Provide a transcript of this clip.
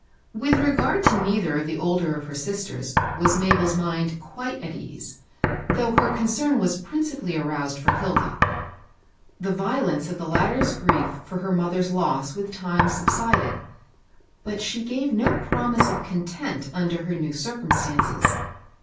With regard to neither of the older of her sis ters was Mabel's mind quite at ease, though her concern was principally aroused for Hilda. The violence of the latter's grief for her mother's loss with time subsided, but she gave no promise of content under her new circumstances.